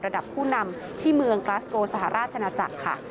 ผู้นำที่เมืองกลาสโกสหราชนาจักรค่ะ